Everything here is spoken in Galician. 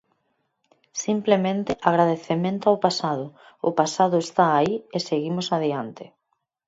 Simplemente, agradecemento ao pasado, o pasado está aí e seguimos adiante.